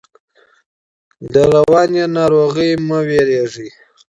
له رواني ناروغانو مه ویریږئ.